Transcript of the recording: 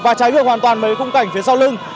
và trái ngược hoàn toàn với khung cảnh phía sau lưng